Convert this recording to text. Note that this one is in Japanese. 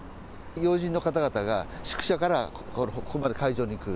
要人の方々が宿舎からここまで、会場に来る。